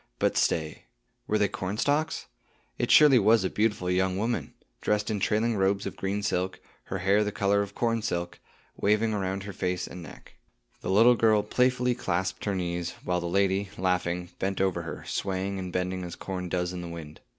But stay. Were they cornstalks? It surely was a beautiful young woman, dressed in trailing robes of green silk; her hair the color of corn silk, waving around her face and neck. The little girl playfully clasped her knees, while the lady, laughing, bent over her, swaying and bending as corn does in the wind.